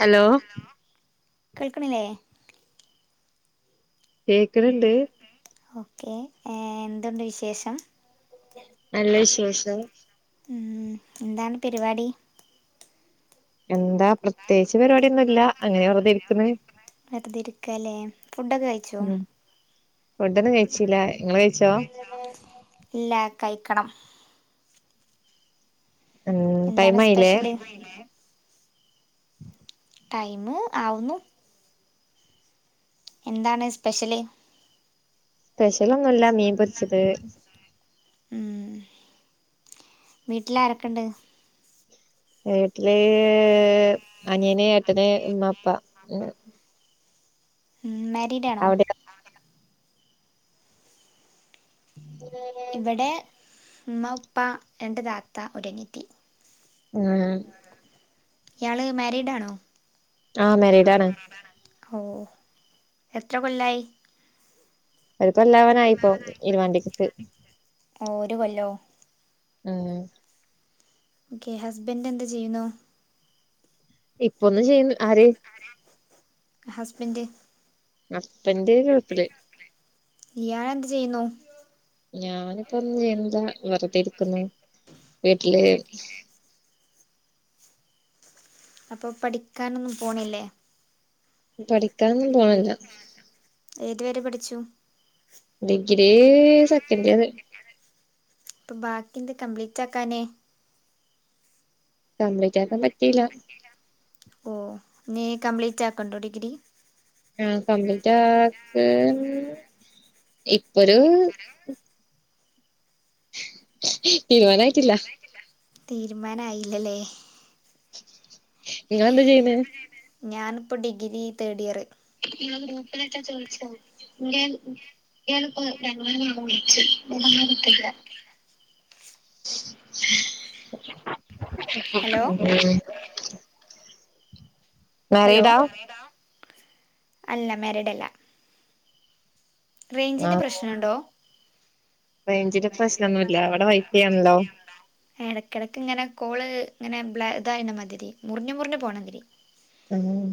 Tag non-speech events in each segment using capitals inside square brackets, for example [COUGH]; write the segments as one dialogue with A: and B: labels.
A: Hello...
B: ലേ... കേൾക്ക്ണില്ലേ?.
A: കേക്ക്ണ്‌ണ്ട്
B: കേക്ക്ണില്ലേ? ഓക്കേ എന്തുണ്ട് വിശേഷം
A: നല്ല വിശേഷം.
B: ഉം. എന്താണ് പരിപാടി.
A: എന്താ പ്രത്യേകിച്ച് പരിപാടിയൊന്നും ഇല്ല അങ്ങനെ വെറതെ ഇരിക്ക്ന്ന്.
B: വെറുതെഇരിക്കാല്ലേ ഫുഡൊക്കെ കഴിച്ചോ?
A: ഫുഡ് ഒന്നും കഴിച്ചില്ല ഇങ്ങള് കഴിച്ചോ? [UNINTELLIGIBLE]
B: ഇല്ല കഴിക്കണം.
A: ഉം
B: എന്താണ്
A: ടൈം ആയില്ലേ
B: സ്പെഷ്യല്? ടൈമ് ആവുന്നു. എന്താണ് സ്പെഷ്യല്?
A: സ്പെഷലൊന്നും ഇല്ല മീൻ പൊരിച്ചത്.
B: ഉം. വീട്ടില് ആരൊക്കെണ്ട്?
A: വീട്ട്ല് അനിയന് ഏട്ടന് ഉമ്മാ ഉപ്പാ
B: ഉം മാരീഡാണോ
A: അവിടെയോ [UNINTELLIGIBLE]
B: ഇവടെ ഇമ്മ ഉപ്പ രണ്ട് താത്ത ഒരനിയത്തി
A: ഉം
B: ഇയാള് മാരീഡാണോ?
A: ആഹ് മാരീഡ് ആണ്
B: ഓഹ് എത്ര കൊല്ലായ്
A: ഒര് കൊല്ലാവാനായിപ്പോ ഇര്പാന്തിക്കക്ക്
B: ഓഹ് ഒരു കൊല്ലോ
A: ഉം
B: ഓക്കെ ഹസ്ബന്റെന്ത് ചെയ്യുന്നു
A: ഇപ്പൊന്നും ചെയ്യ്ന്ന് ആര്
B: ഹസ്ബെന്റ്
A: ഹസ്ബെന്റ് ഗെൾഫ് ല്
B: ഇയാളെന്ത് ചെയ്യുന്നു
A: ഞാനിപ്പോ ഒന്നും ചെയ്യ്ന്നില്ല വെറ്തെ ഇരിക്കുന്നു വീട്ട്ല്
B: അപ്പൊ പഠിക്കാനൊന്നും പോണില്ലേ
A: പഠിക്കാനൊന്നും പോണ്ല്ലാ
B: ഏത് വെരെ പഠിച്ചു
A: ഡിഗ്രീ സെക്കന്റിയറ്
B: അപ്പൊ ബാക്കി എന്തേ കംപ്ലീറ്റാക്കാനേ
A: കംപ്ലീറ്റാക്കാം പറ്റീലാ
B: ഞ്ഞ് കംപ്ലീറ്റാക്ക്ണ്ടോ ഡിഗ്രി
A: ആഹ് കംപ്ലീറ്റാക്കാൻ ഇപ്പൊരു തീര്മാനായ്ട്ടില്ലാ
B: തീര്മാനായില്ലലേ
A: ഇങ്ങളെന്താ ചെയ്യ്ന്നേ
B: ഞാന്പ്പം ഡിഗ്രി തേഡ്‌യറ്
A: ഇങ്ങളെ ഗ്രൂപ്പിലൊക്കെ ചോയ്ച്ചോ [UNINTELLIGIBLE]
B: ഹലോ ഹലോ മാരീഡാ അല്ല മരീഡല്ലാ റെയ്ഞ്ചിന്റെ പ്രശ്നണ്ടോ
A: റെയ്ഞ്ചിന്റെ പ്രശ്നാെന്നുല്ലാ അവടെ വൈഫയുണ്ടോ
B: എടെക്ക് എടെക്ക്ങ്ങെനെ കോള് ഇങ്ങെനെ ബ്ലാ ഇതായിന്ന മാതിരി മുറിഞ്ഞ് മുറിഞ്ഞ് പോണാതിരി
A: ഉം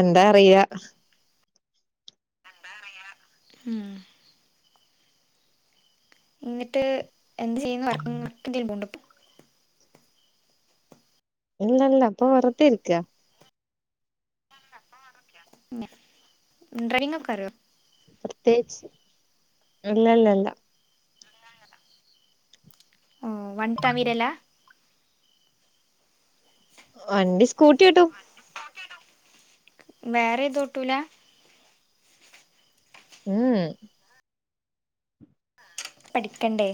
A: എന്താ അറീലാ
B: എന്താ അറീലാ ഉം ഇന്നിട്ട് എന്ത് ചെയ്യ്ന്നു വർക്ക [UNINTELLIGIBLE] ങ്കിലും പോവ്ണ്ടാേ
A: ഇല്ലല്ലാ ഇപ്പ വെറ്തെ ഇര്ക്കാ
B: ഡ്രൈഗ് ഒക്കെ അറിയാേ
A: പ്രത്യേകിച്ച് അല്ലല്ലല്ലാ
B: ല്ലല്ലല്ലാ ഓഹ് വൺട്ടാ വീരല്ലാ
A: വണ്ടി സ്കൂട്ടി ഓട്ടും
B: വേറെേതും ഓട്ടൂലാ
A: ഉം ഉം
B: പഠിക്കണ്ടേ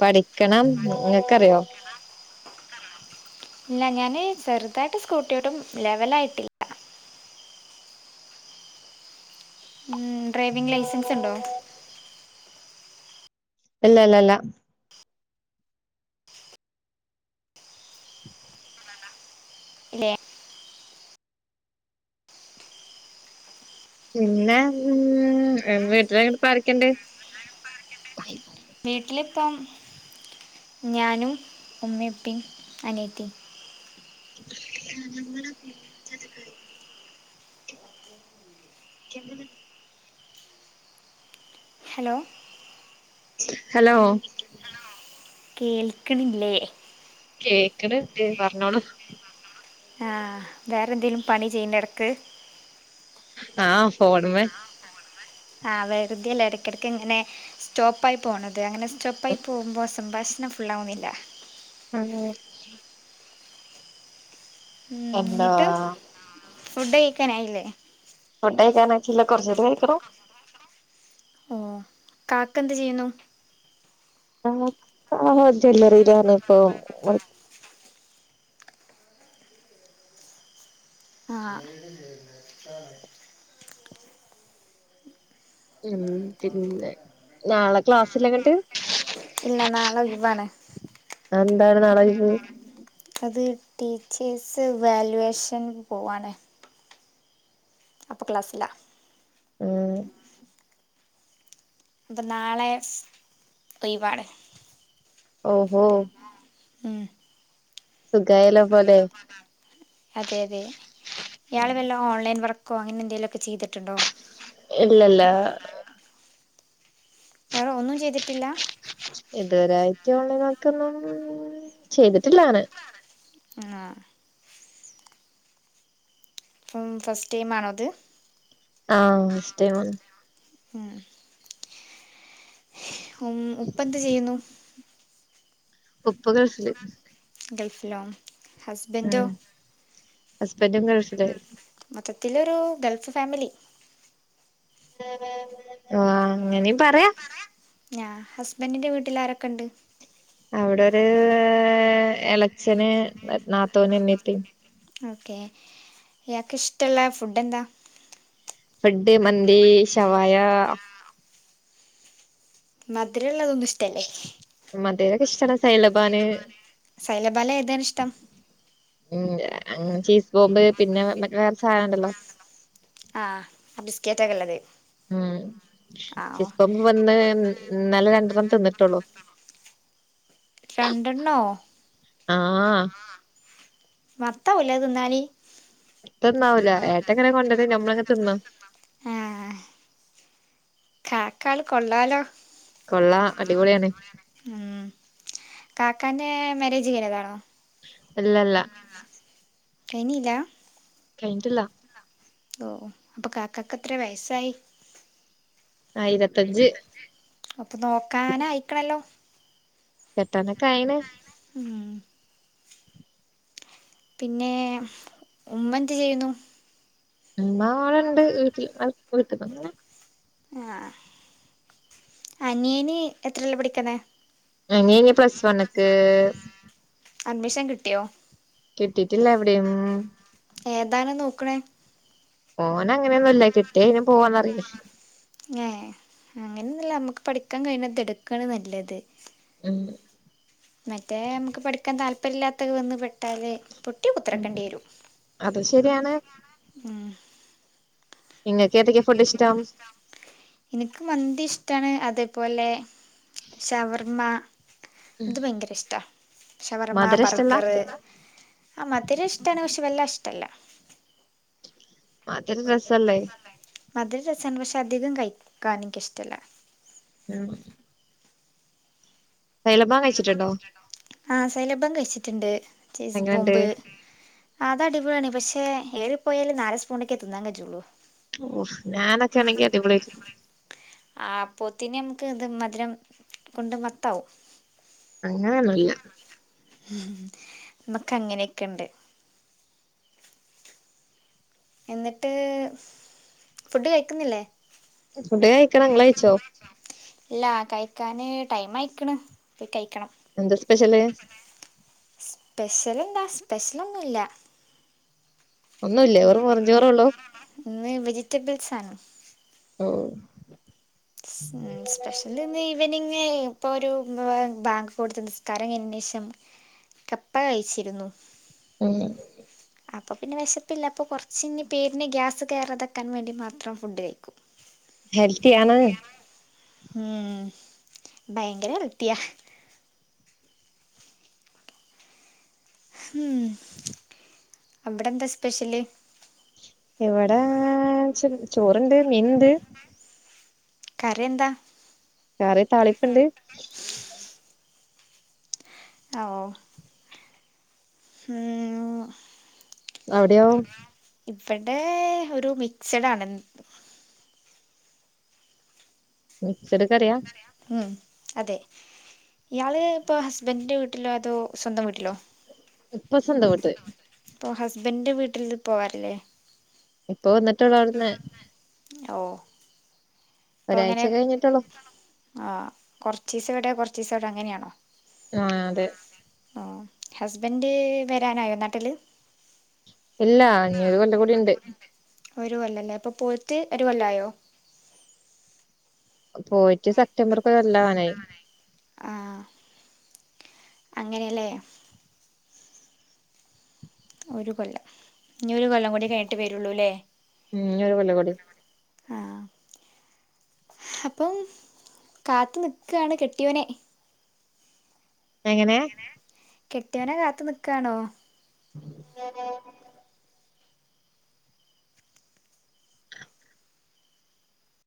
A: പഠിക്കണം ഇങ്ങക്കറിയോ
B: ഇല്ല ഞാന് ചെറുതായിട്ട് സ്കൂട്ടി യോട്ടും ലെവല ആയിട്ടില്ല ഡ്രൈവിംഗ് ലൈസൻസ് ഒണ്ടോ
A: ഇല്ല ഇല്ലല്ല
B: ഇല്ലേ
A: പിന്നെ ഉമ് വീട്ടിൽ ആരൊക്കെ എണ്ട്
B: വീട്ടിലിപ്പം ഞാനും ഉമ്മയ് ഇപ്പി അനിയത്തി
A: [UNINTELLIGIBLE] [UNINTELLIGIBLE]
B: ഹലോ
A: ഹലോ
B: കേൾക്കണില്ലേ?
A: കേക്കണ് ണ്ട് പറഞ്ഞോളു.
B: ആഹ് വേറെന്തേലും പണി ചെയ്യന്നെടക്ക്
A: ആഹ് ഫോണുമ്മേ
B: ആഹ് വെറുതെയല്ല എടയ്ക്കെടക്കിങ്ങനെ സ്റ്റോപ്പായി പോണത് അങ്ങനെ റ്റോപ്പായി പോവുമ്പ സംഭാഷണം ഫുള്ളാവുന്നില്ല.
A: ആഹ്
B: ഉമ്
A: എന്താ
B: ന്നിട്ട് ഫുഡ് കഴിക്കാനായില്ലേ?
A: ഫുഡ്‌ കഴിക്കാനായിട്ടില്ലേ കൊറേച്ചഴിഞ്ഞിട്ട് കഴിക്കടോ.
B: കാക്കന്ത് ചെയ്യുന്നു?
A: കാക്ക ഒര് ജ്വല്ലറിലാരുന്നുപ്പൊ
B: ആഹ്
A: ഉമ് പിന്നെ നാള ക്ലാസ്സില്ലങ്ങട്ട്?
B: ഇല്ല നാളെ ഒഴിവാണ്.
A: അന്താണ് നാള ഒഴിവ്?
B: അത് ടീച്ചേഴ്സ് വാലുവേഷൻ പോവാണ്. അപ്പ ക്ലാസ്സില്ല.
A: ഉമ്
B: ഇപ്പം നാളെ ലീവാണ്.
A: ഓഹ് ഒഹ്
B: ഉമ്
A: സുഖായല്ലോ പ തെ
B: അതെ അതെ ഇയാള് വല്ല ഓൺലൈൻ വർക്കോ അങ്ങനെന്തെലൊക്കെ ചെയ്തിട്ടുണ്ടോ?
A: ഇല്ലല്ല.
B: വേറ ഒന്നും ചെയ്തിട്ടില്ല?
A: ഇതുവരായിറ്റൊൺലൈൻ വർക്കൊന്നും ചെയ്തിട്ടില്ലാന്.
B: ആഹ് ഉമ് ഫസ്റ്റ് ടൈമാണോത്?
A: ആഹ് ഫസ്റ്റ് ടൈമാന്ന്.
B: ഉമ് ഉമ് ഉപ്പ ന്ത് ചെയ്യുന്നു?
A: ഉപ്പ ഗൾഫില്.
B: ഗൾഫിലോ ഹസ്ബന്റൊ?
A: ഹസ്ബന്റും ഗൾഫില്.
B: മൊത്തത്തിലൊരു ഗൾഫ് ഫാമിലി.
A: ആഹ് അങ്ങനേം പറയാം.
B: ഞാ ഹസ്ബന്റിന്റെ വീട്ടിലാരക്കെണ്ട്?
A: അവിടൊര് എളച്ചന് നാത്തോൻ ഇമ്മി ഇപ്പി
B: ഓക്കേ ഇയാക്കിഷ്ടൊള്ള ഫുഡെന്താ?
A: ഫെഡ്, മന്തി, ഷവായ.
B: മധ്രള്ളതൊന്നു ഇഷ്ടല്ലേ?
A: മധുരക്കെ ഇഷ്ടാണ് സൈലബാന്
B: സൈലബാൻല് ഏതാണിഷ്ടം?
A: ഉം അങ്ങ് ചീസ് ബോംബ് പിന്നെ മറ്റ് വേറെ സാധനണ്ടല്ലോ?
B: അ ബിസ്‌ക്കറ്റൊക്കെള്ളത്?
A: ഉം ചിസ്ബോംബ് വന്ന് ഇന്നലെ രണ്ടെണ്ണം തിന്നിട്ടൊള്ളൂ.
B: രണ്ടെണ്ണോ
A: ആഹ്അ
B: മത്താകൂല്ലേ അത് തിന്നാല്
A: മത്തൊന്നാവില്ല. ഏട്ടൻങ്ങനെ കൊണ്ടരും നമ്മളിങ്ങനെ തിന്നും
B: അക്ക ആളുകൊള്ളാലോ
A: കൊള്ളാം. അടിപൊളിയാണ്.
B: ഉം. കാക്കാന്റെ മാര്യേജ് കയ്ഞ്ഞതാണോ
A: ഇല്ലല്ലാ.
B: കഴിഞ്ഞില്ല
A: കഴിഞ്ഞിട്ടില്ല.
B: ഓഹ്. അപ്പൊ കാക്കാക്കെത്ര വയസ്സായി?
A: ആഹ്. ഇരത്തഞ്ച്.
B: അപ്പൊ, നോക്കാനായിക്ണല്ലോ
A: കെട്ടാനൊക്കെ ആയീണ്.
B: ഉം. പിന്നേ ഉമ്മ എന്തു ചെയ്യുന്നു?
A: ഇമ്മാ വെള ണ്ട് വീട്ടിൽ വീട്ട്ന്ന് ങ്ങനെ
B: ആഹ്. അനിയന് എത്രയിലാ പഠിക്ന്നേ?
A: അനിയൻ ഇനി പ്ലസ്സ് വണ്ണിക്ക്.
B: അഡ്മിഷൻ കിട്ടിയോ
A: കിട്ടീട്ടില്ല എവിടെയും
B: ഏതാണ് നോക്ണേ?
A: ഓനങ്ങനെയൊന്നുല്ല. കിട്ടിയാ എയിനും പോകുവോന്നറിണ്.
B: ഏഹ് ഇല്ലാ. നമക്ക് പഠിക്കാൻ കഴിയ്ണതെടുക്കാണ് നല്ലത്.
A: ഉം
B: മറ്റേ നമക്കു പഠിക്കാൻ താല്പര്യല്ലാത്തതു വന്നുപെട്ടാല് പൊ ട്ടി
A: ഉം
B: കുത്തർക്കണ്ട്യേരും. അതും ശരിയാണ്. ഉം
A: ഇങ്ങക്കേതൊക്കെ ഫുഡിഷ്ടം?
B: ഇനിക്കു മന്തിയിഷ്ടാണ്. അതേപോലെ ഷവർമ്മ അതു ഭയങ്കരയിഷ്ടാ ഷവർമ്മ,
A: മധുരം ഇഷ്ടല്ല
B: ബർഗറ് ആഹ്. മധുരഷ്ടാണ് പക്ഷേ വെല്ലാഷ്ടല്ല.
A: മധ്‌രം രസല്ലേ
B: മധുരം രസാണ്. പക്ഷേ അധികം കഴിക്കാൻ ഇൻക്കിഷ്ടല്ല.
A: ഉം സൈലബാൻ കഴിച്ചിട്ടുണ്ടോ?
B: ആഹ് സൈലബാൻ കഴിച്ചിട്ടുണ്ട് ചീസ്
A: എങ്ങനെണ്ട്
B: ബോംമ്പ് ആഹ് അതടി പൊളിയാണെ. പക്ഷേ ഏറിപ്പോയാലൊരു നാലുസ്പൂണൊക്കെ തിന്നാൻ കജെജൊള്ളൂ.
A: ഓഹ് ഞാനൊക്കെണെങ്കി അടിപൊളി
B: ആഹ് അപ്പോത്തിനു നമ്ക്കു മധുരംകൊണ്ടു മത്താവും
A: അങ്ങനെയൊന്നുല്ല.
B: നമുക്കങ്ങനെയൊക്കെണ്ട്. എന്നിട്ട്, ഫുഡ് കഴിക്കുന്നില്ലേ?
A: ഫുഡു കഴിക്കണം. ഇങ്ങൾ കഴിച്ചോ?
B: ഇല്ല കഴിക്കാന് ടൈമായിക്ണ്. പോയി കഴിക്കണം.
A: എന്താസ്പെഷ്യല്
B: സ്പെഷ്യലെന്താ സ്പെഷ്യലൊന്നുമില്ല.
A: ഒന്നുല്ലേ വെറും
B: ഉം
A: വെറുംചോറൊള്ളൂ
B: ഇന്നുവെജിറ്റബിൾസാണ്
A: ഓ
B: [UNINTELLIGIBLE] സ്പെഷ്യൽ ഇന്ന് ഈവനിംങ് ഇപ്പൊ ഒരു ബാങ്കു കോഴ്സുണ്ട് നിസ്കാരത്തിനുശേഷം കപ്പ കഴിച്ചിരുന്നു
A: ഉം
B: അപ്പോൾ പിന്നെ വിശപ്പില്ല അപ്പോൾ കുറച്ച ഇ പേരിന് ഗ്യാസ് കയറാതക്കാൻ വേണ്ടി മാത്രം ഫുഡ് കയ്ക്കും
A: ഹെൽത്തി ആണ്
B: ഉം ഭയങ്കര ഹെൽത്തിയ ഉം അവിടെ എന്താ സ്പെഷ്യല്
A: എവിടെ ചോറണ്ട് മീൻണ്ട്
B: കറി എന്താ
A: വേറെ താളിപ്പുണ്ട്
B: ആഹ് ഓ ഉം
A: അവിടെയോ
B: ഇവിടെ ഒരു മിക്സഡാണ്
A: മിക്സഡ് കറിയ
B: ഉം അതെ ഇയാള് ഇപ്പൊ ഹസ്ബൻഡന്റെ വീട്ടിലോ അതോ സ്വന്തം വീട്ടിലോ
A: ഇപ്പ സ്വന്ത വീട്ട്
B: ഇപ്പോ ഹസ്ബന്റെ വീട്ടിൽ ഇത് പോവാറല്ലേ
A: ഇപ്പൊ വന്നിട്ടള്ള അവിടന്ന്
B: ഓ അപ്പൊ അങ്ങനെ
A: ഒരാഴ്ച കഴിഞ്ഞിട്ടുള്ളൂ
B: ആഹ് കുറച്ച് ദിവസം എവിടെ കൊറച്ച് ദിവസ എവിടെ അങ്ങനെയാണോ
A: ആഹ് അതെ
B: ആഹ് ഹസ്ബൻഡ് വരാനായോ നാട്ടിൽ
A: ഇല്ല ഇനി ഒരു കൊല്ലം കൂടി ഉണ്ട്
B: ഒരു കൊല്ല അല്ലേ അപ്പോൾ പോയിറ്റ് ഒരു കൊല്ല ആയോ
A: പോയിട്ട് സെപ്റ്റംബർ ഒരുക്കൊല്ലാവാനായി
B: ആഹ് അങ്ങനെയല്ലേ ഒരു കൊല്ലം ഇനി ഒരു കൊല്ലം കൂടി കഴിഞ്ഞിട്ട് വരുള്ളൂ അല്ലേ
A: ഉം ഇനി ഒരു കൊല്ല കൂടി
B: ആഹ് അപ്പം കാത്തു നിൽക്കാണ് കെട്ടിയോനെ
A: എങ്ങനെ
B: കെട്ടിയവനെ കാത്ത് നിക്കാണോ
A: [INAUDIBLE]